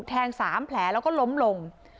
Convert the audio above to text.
๓แผลแล้วก็ล้มลง